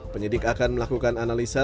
penyidik akan melakukan analisa